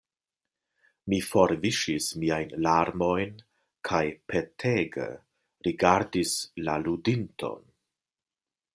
Mi forviŝis miajn larmojn kaj petege rigardis la ludinton.